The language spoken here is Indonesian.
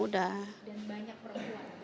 dan banyak orang tua